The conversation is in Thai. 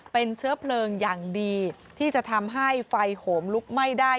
เป็นเชื้อเพลิงอย่างดีที่จะทำให้ไฟโหมลุกไหม้ได้